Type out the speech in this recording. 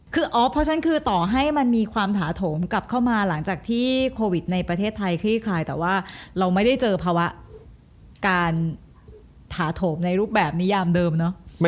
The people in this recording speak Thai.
คืออ๋อเพราะฉะนั้นคือต่อให้มันมีความถาโถมกลับเข้ามาหลังจากที่โควิดในประเทศไทยคลี่คลายแต่ว่าเราไม่ได้เจอภาวะการถาโถมในรูปแบบนี้ยามเดิมเนอะ